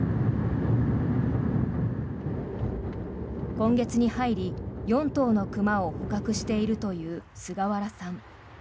今月に入り４頭の熊を捕獲しているという菅原さん。